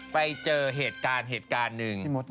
ไปเจอเหตุการณ์หนึ่ง